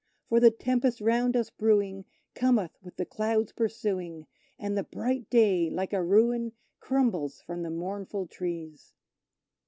For the tempest round us brewing, cometh with the clouds pursuing, And the bright Day, like a ruin, crumbles from the mournful trees.